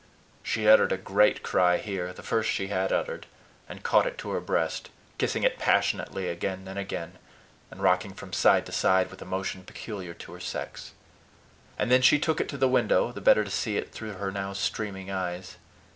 She uttered a great cry here the first she had uttered and caught it to her breast, kissing it passionately again and again, and rocking from side to side with a motion peculiar to her sex. And then she took it to the window, the better to see it through her now streaming eyes.